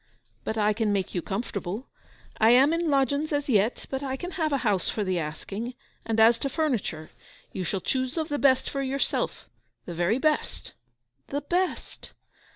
'But I can make you comfortable. I am in lodgings as yet, but I can have a house for the asking; and as to furniture, you shall choose of the best for yourself—the very best.' 'The best!